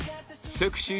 「セクシー？